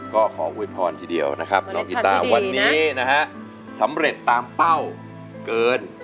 ก็ขออวยพรทีเดียวนะครับน้องกีตาวันนี้นะฮะสำเร็จตามเป้าเกิน